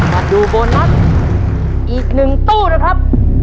มาดูโบนัสอีกหนึ่งตู้นะครับ